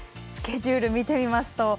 スケジュールを見てみますと。